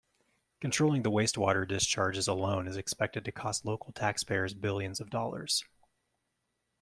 Controlling the wastewater discharges alone is expected to cost local taxpayers billions of dollars.